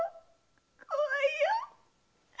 怖いよ！